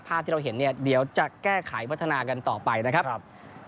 ภาพที่เราเห็นเนี่ยเดี๋ยวจะแก้ไขพัฒนากันต่อไปนะครับ